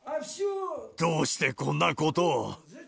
どうしてこんなことを！